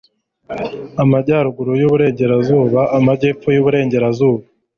amajyaruguru y'uburengerazuba, amajyepfo y'uburasirazuba